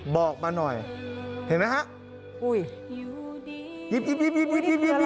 บอกมาหน่อยเห็นไหมฮะ